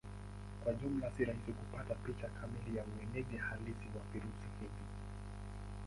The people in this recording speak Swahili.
Kwa jumla si rahisi kupata picha kamili ya uenezi halisi wa virusi hivi.